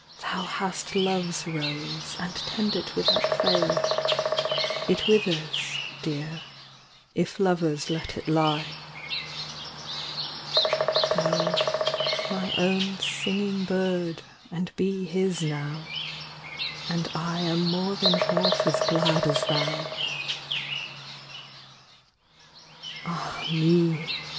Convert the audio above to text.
Thou hast Love's rose, and tend it without fail ; It withers, dear, if lovers let it lie. Go, my own singing bird, and be his now ; And I am more than half as glad as thou. Ah me